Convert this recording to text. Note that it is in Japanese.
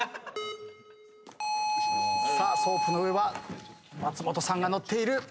ソープの上は松本さんが乗っている。